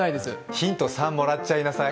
ヒント３、もらっちゃいなさい。